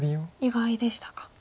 意外でしたか。